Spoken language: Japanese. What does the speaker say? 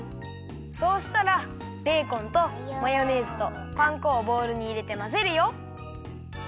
そうしたらベーコンとマヨネーズとパン粉をボウルにいれてまぜるよ。